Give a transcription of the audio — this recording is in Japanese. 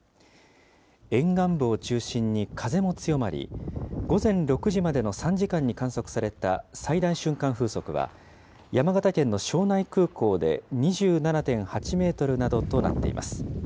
沿岸部を中心に、風も強まり、午前６時までの３時間に観測された最大瞬間風速は、山形県の庄内空港で２７．８メートルなどとなっています。